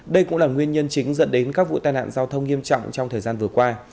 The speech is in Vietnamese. đây cũng là nguyên nhân chính dẫn đến các vụ tai nạn giao thông nghiêm trọng trong thời gian vừa qua